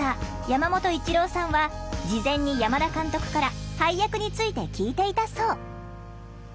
山本一郎さんは事前に山田監督から配役について聞いていたそう。